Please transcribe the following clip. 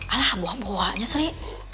alah buah buahnya sri